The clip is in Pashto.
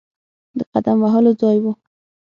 د قدم وهلو لپاره ځای وو.